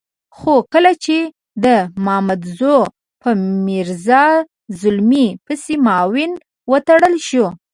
خو کله چې د مامدزو په میرزا زلمي پسې معاون وتړل شو.